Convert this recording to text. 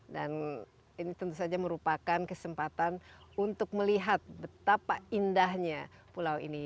dan ini tentu saja merupakan kesempatan untuk melihat betapa indahnya pulau ini